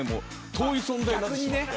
遠い存在になってしまって。